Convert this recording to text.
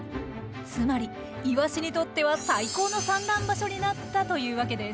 つまりイワシにとっては最高の産卵場所になったというわけです。